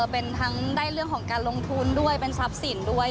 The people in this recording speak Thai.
เป็นทั้งได้เรื่องของการลงทุนด้วยเป็นทรัพย์สินด้วย